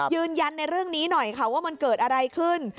ยืนยันในเรื่องนี้หน่อยค่ะว่ามันเกิดอะไรขึ้น